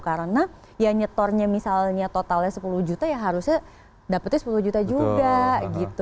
karena yang nyetornya misalnya totalnya sepuluh juta ya harusnya dapetin sepuluh juta juga gitu